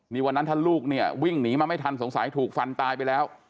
นี่วันนั้นถ้าลูกเนี่ยวิ่งหนีมาไม่ทันสงสัยถูกฟันตายไปแล้ว